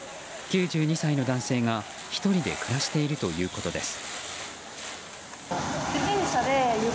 ９２歳の男性が１人で暮らしているということです。